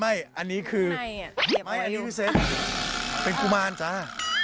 ไม่อันนี้คือเสร็จเป็นกุมานจ้า